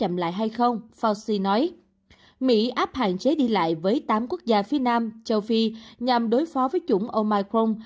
mỹ áp hạn chế đi lại với tám quốc gia phía nam châu phi nhằm đối phó với chủng omicron